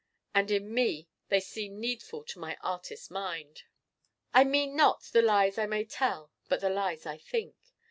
And in me they seem needful to my Artist mind. I mean not the lies I may tell but the lies I think.